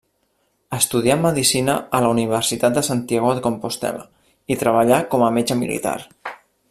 Estudià medicina a la Universitat de Santiago de Compostel·la i treballà com a metge militar.